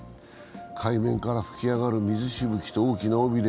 海面から吹き上がる水しぶきと大きな尾びれ